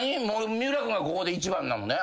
三浦君がここで一番なのね？